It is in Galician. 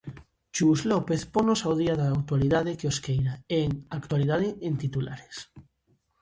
Chus López ponnos ao día da actualidade quiosqueira en "a actualidade en titulares".